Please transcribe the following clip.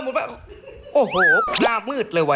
หมุนเออหมุนไปโอ้โหหน้ามืดเลยว่ะ